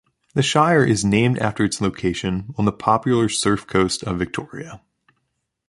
The Shire is named after its location on the popular surf coast of Victoria.